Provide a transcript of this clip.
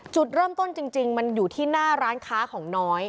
จุดเริ่มต้นจริงมันอยู่ที่หน้าร้านค้าของน้อย